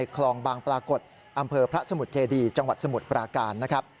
คลองบางปรากฏอำเภอพระสมุทรเจดีจังหวัดสมุทรปราการนะครับ